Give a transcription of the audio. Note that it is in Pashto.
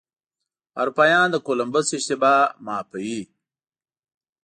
اروپایان د کولمبس اشتباه معافوي.